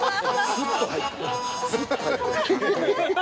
スッと入ったよ。